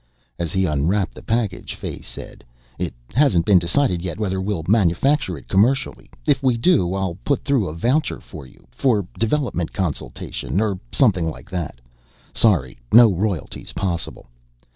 As he unwrapped the package, Fay said, "It hasn't been decided yet whether we'll manufacture it commercially. If we do, I'll put through a voucher for you for 'development consultation' or something like that. Sorry no royalty's possible.